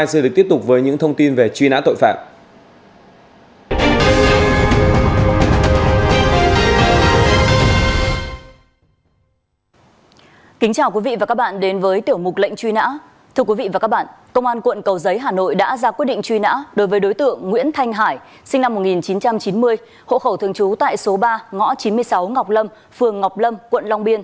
sinh năm một nghìn chín trăm chín mươi hộ khẩu thường trú tại số ba ngõ chín mươi sáu ngọc lâm phường ngọc lâm quận long biên